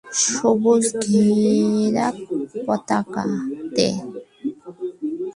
সবুজ ঘেরা পতাকাতে